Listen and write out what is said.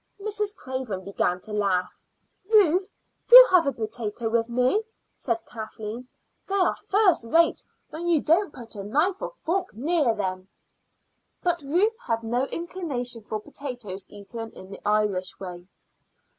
Mrs. Craven began to laugh. "Ruth, do have a potato with me," said Kathleen; "they are first rate when you don't put a knife or fork near them." But Ruth had no inclination for potatoes eaten in the Irish way.